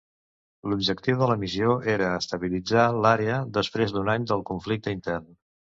L'objectiu de la missió era estabilitzar l'àrea després d'un any del conflicte intern.